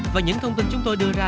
và những thông tin chúng tôi đưa ra